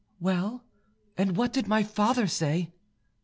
"Well, and what did my father say?"